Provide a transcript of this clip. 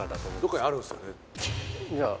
どっかにあるんすよね